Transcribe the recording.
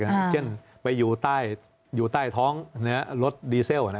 อย่างเช่นอยู่ใต้ท้องนั้นรถดีเซล๑๖